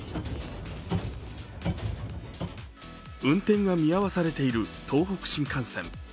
運転が見合わされている東北新幹線。